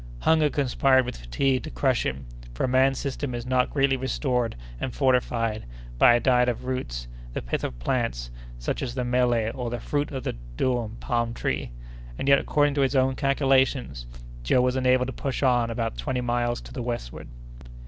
Hunger conspired with fatigue to crush him, for a man's system is not greatly restored and fortified by a diet of roots, the pith of plants, such as the mélé, or the fruit of the doum palm tree; and yet, according to his own calculations, Joe was enabled to push on about twenty miles to the westward.